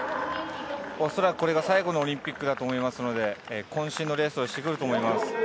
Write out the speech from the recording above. おそらくこれが最後のオリンピックだと思いますので、こん身のレースをしてくると思います。